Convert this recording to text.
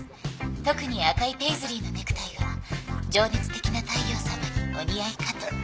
特に赤いペイズリーのネクタイが情熱的な大陽さまにお似合いかと。